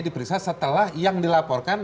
diperiksa setelah yang dilaporkan